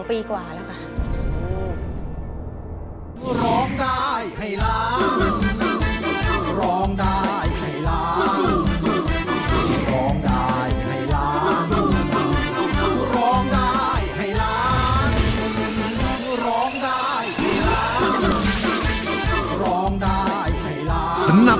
ปีกว่าแล้วค่ะ